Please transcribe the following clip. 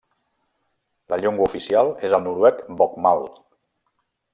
La llengua oficial és el noruec Bokmål.